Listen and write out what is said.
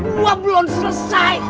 buah belum selesai